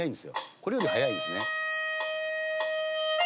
「これより速いんですね」